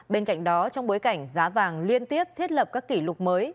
bên cạnh đó trong bối cảnh giá vàng liên tiếp thiết lập các kỷ lục mới